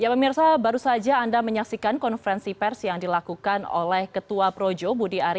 ya pemirsa baru saja anda menyaksikan konferensi pers yang dilakukan oleh ketua projo budi ari